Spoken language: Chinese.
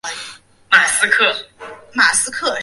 罗伯特像机。